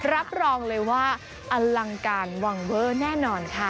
รับรองเลยว่าอลังการวังเวอร์แน่นอนค่ะ